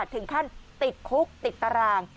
ถึงขั้นติดคุกติดตาราง